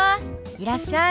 いらっしゃい。